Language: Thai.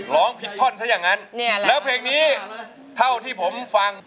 ร้องผิดท่อนซะอย่างนั้นแล้วเพลงนี้เท่าที่ผมฟัง